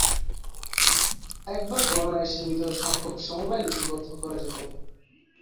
একবার গণনায় সীমিত সংখ্যক সমবায় লিপিবদ্ধ করা যেত।